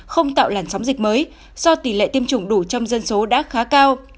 không tạo làn sóng dịch mới do tỷ lệ tiêm chủng đủ trong dân số đã khá cao